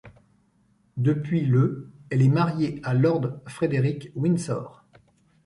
Depuis le elle est mariée à Lord Frederick Windsor.